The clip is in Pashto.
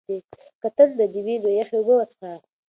که تنده دې وي نو یخې اوبه وڅښه.